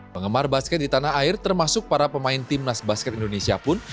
pengemar basket di tanah air termasuk para pemain tim nas basket indonesia pun